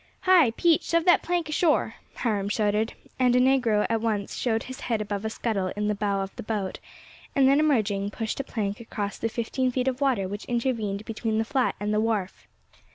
"Hi! Pete, shove that plank ashore," Hiram shouted, and a negro at once showed his head above a scuttle in the bow of the boat, and then emerging, pushed a plank across the fifteen feet of water which intervened between the flat and the wharf.